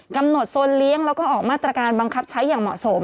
โซนเลี้ยงแล้วก็ออกมาตรการบังคับใช้อย่างเหมาะสม